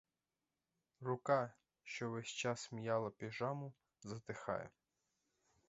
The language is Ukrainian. Рука, що ввесь час м'яла піжаму, затихає.